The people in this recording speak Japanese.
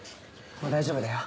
もう大丈夫だよ。